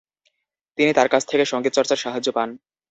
তিনি তার কাছ থেকে সঙ্গীত চর্চার সাহায্য পান।